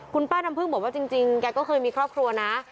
คุณป้าน้ำพึ่งบอกว่าจริงแกก็เคยมีครอบครัวนะ